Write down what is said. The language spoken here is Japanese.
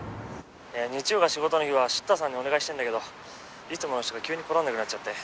「日曜が仕事の日はシッターさんにお願いしてるんだけどいつもの人が急に来られなくなっちゃって」